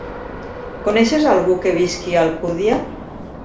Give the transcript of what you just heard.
Coneixes algú que visqui a Alcúdia?